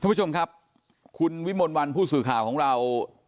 คุณผู้ชมครับคุณวิมลวันผู้สื่อข่าวของเรา